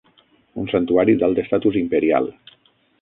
Un santuari d'alt estatus imperial.